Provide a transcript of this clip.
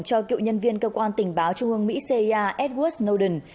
cho cựu nhân viên cơ quan tình báo trung ương mỹ cia edward noden